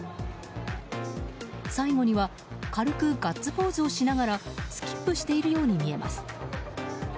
最後には軽くガッツポーズをしながらスキップしているように見えます。